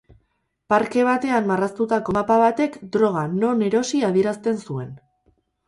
Parke batean marraztutako mapa batek droga non erosi adierazten zuen.